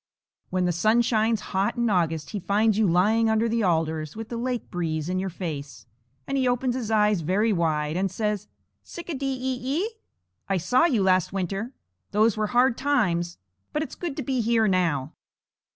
When the sun shines hot in August, he finds you lying under the alders, with the lake breeze in your face, and he opens his eyes very wide and says: "Tsic a dee e e? I saw you last winter. Those were hard times. But it's good to be here now."